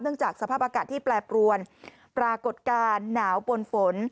จากสภาพอากาศที่แปรปรวนปรากฏการณ์หนาวปนฝน